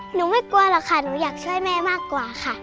ไม่กลัวหรอกค่ะหนูอยากช่วยแม่มากกว่าค่ะ